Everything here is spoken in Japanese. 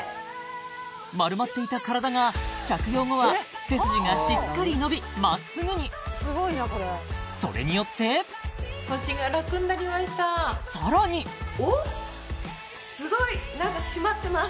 丸まっていた体が着用後は背筋がしっかり伸びまっすぐにそれによってさらにおっすごい何か締まってます